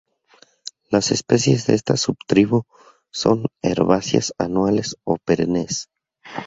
Las especies de esta subtribu son herbáceas anuales o perennes.